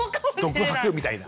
独白みたいな。